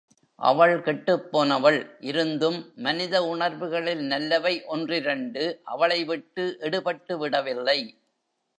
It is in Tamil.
அவள் கெட்டுப்போனவள்! இருந்தும் மனித உணர்வுகளில் நல்லவை ஒன்றிரண்டு அவளைவிட்டு எடுபட்டுவிடவில்லை.